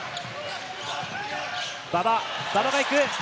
馬場、馬場が行く。